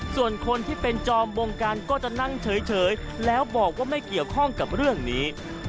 ส่วนคนที่เป็นจอมวงการก็จะนั่งเฉยแล้วบอกว่าไม่เกี่ยวข้องกับเรื่องนี้